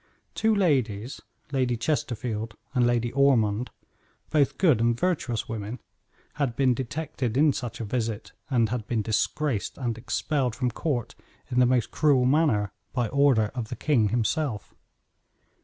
Two ladies, Lady Chesterfield and Lady Ormond, both good and virtuous women, had been detected in such a visit, and had been disgraced and expelled from court in the most cruel manner by order of the king himself.